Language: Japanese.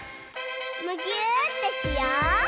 むぎゅーってしよう！